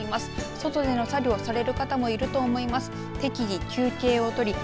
外での作業される方もいると思います。